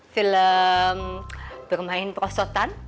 film bermain prosotan